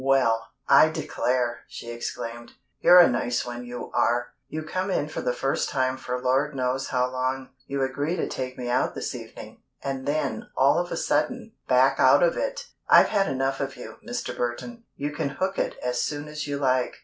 "Well, I declare!" she exclaimed. "You're a nice one, you are! You come in for the first time for Lord knows how long, you agree to take me out this evening, and then, all of a sudden, back out of it! I've had enough of you, Mr. Burton. You can hook it as soon as you like."